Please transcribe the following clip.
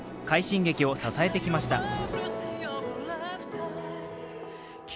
快進撃を支えてきました。